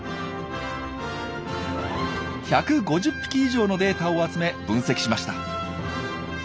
１５０匹以上のデータを集め分析しました。